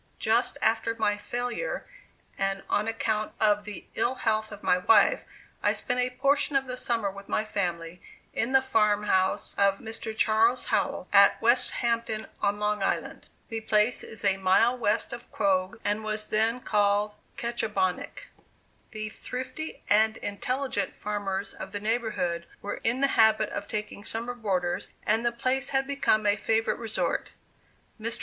Just after my failure, and on account of the ill health of my wife, I spent a portion of the summer with my family in the farmhouse of Mr. Charles Howell, at Westhampton, on Long Island. The place is a mile west of Quogue, and was then called "Ketchebonneck." The thrifty and intelligent farmers of the neighborhood were in the habit of taking summer boarders, and the place had become a favorite resort. Mr.